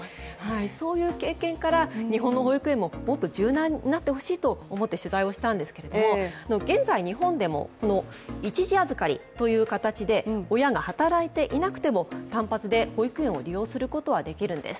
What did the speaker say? そういう経験から日本の保育園ももっと柔軟になってほしいと思って取材をしたんですけれども現在、日本でも一時預かりという形で親が働いていなくても単発で保育園を利用することはできるんです。